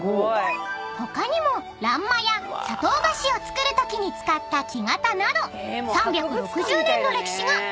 ［他にも欄間や砂糖菓子を作るときに使った木型など３６０年の歴史が今はオブジェに］